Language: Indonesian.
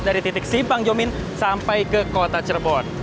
dari titik simpang jomin sampai ke kota cirebon